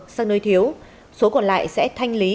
sang nơi thiếu số còn lại sẽ thanh lý